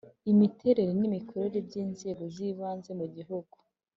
imiterere nimikorere byInzego zibanze mugihugu